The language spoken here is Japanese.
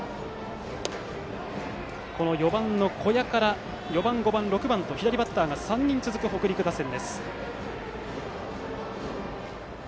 この４番の小矢から４番、５番、６番と左バッターが３人続く北陸打線。